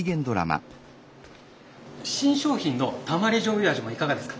新商品のたまり醤油味もいかがですか？